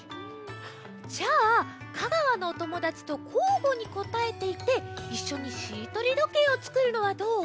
じゃあ香川のおともだちとこうごにこたえていっていっしょにしりとりどけいをつくるのはどう？